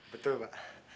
betul sekali pak